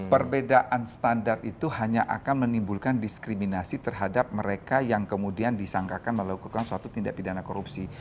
perbedaan standar itu hanya akan menimbulkan diskriminasi terhadap mereka yang kemudian disangkakan melakukan suatu tindak pidana korupsi